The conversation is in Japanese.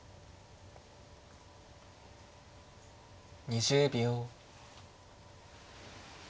２０秒。